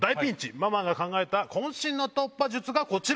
ママが考えた渾身の突破術がこちら！